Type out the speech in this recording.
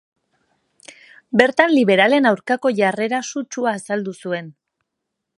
Bertan liberalen aurkako jarrera sutsua azaldu zuen.